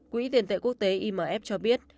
quỹ tiền tệ quốc tế imf cho biết